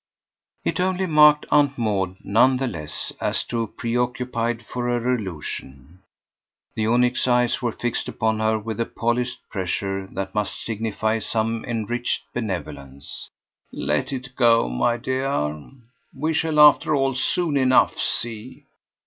It only marked Aunt Maud, none the less, as too preoccupied for her allusion. The onyx eyes were fixed upon her with a polished pressure that must signify some enriched benevolence. "Let it go, my dear. We shall after all soon enough see."